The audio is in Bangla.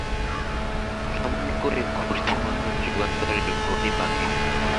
কেমন করে ঘুরছে মানুষ যুগান্তরের ঘূর্ণিপাকে?